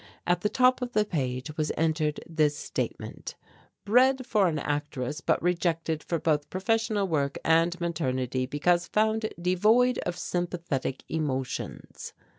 At the top of the page was entered this statement, "Bred for an actress but rejected for both professional work and maternity because found devoid of sympathetic emotions."